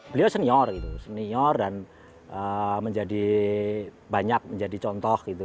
beliau senior gitu senior dan menjadi banyak menjadi contoh gitu